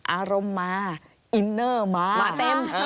อารมณ์มาอินเนอร์มาก